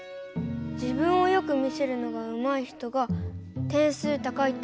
自分をよく見せるのがうまい人が点数高いってこと？